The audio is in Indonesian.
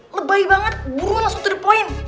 lebahi banget burung langsung to the point